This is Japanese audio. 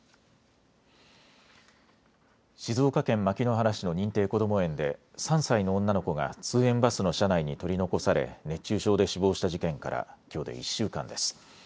静岡県牧之原市の認定こども園で３歳の女の子が通園バスの車内に取り残され熱中症で死亡した事件からきょうで１週間です。